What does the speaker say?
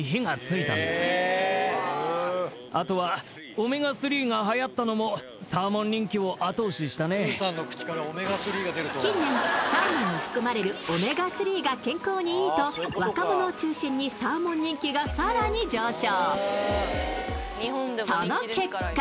卸売市場で聞いてみると近年サーモンに含まれるオメガ３が健康にいいと若者を中心にサーモン人気が更に上昇。